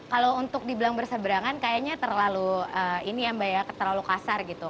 kalo untuk dibilang berseberangan kayaknya terlalu kasar gitu